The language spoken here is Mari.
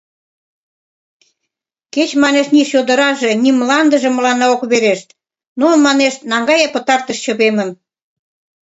— Кеч, манеш, ни чодыраже, ни мландыже мыланна ок верешт, но, манеш, наҥгае пытартыш чывемым.